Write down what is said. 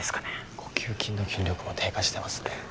呼吸筋の筋力も低下してますね。